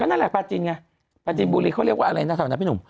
นั่นแหละปลาจินไงปลาจินบุรีเขาเรียกว่าอะไรนะแถวนั้นพี่หนุ่ม